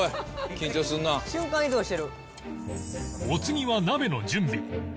お次は鍋の準備